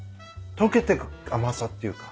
溶けてく甘さっていうか。